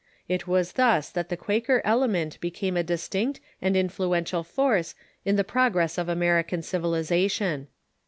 It was thus that the Quaker element became a distinct and influential force in the progress of American civilization.